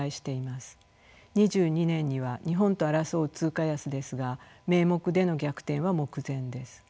２２年には日本と争う通貨安ですが名目での逆転は目前です。